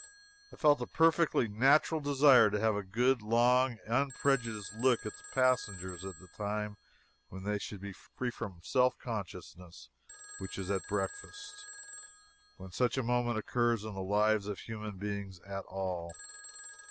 I felt a perfectly natural desire to have a good, long, unprejudiced look at the passengers at a time when they should be free from self consciousness which is at breakfast, when such a moment occurs in the lives of human beings at all.